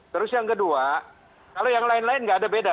terus yang kedua kalau yang lain lain nggak ada beda